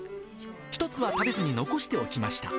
１つは食べずに残しておきました。